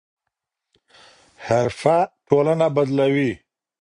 حرفه ټولنه بدلوي.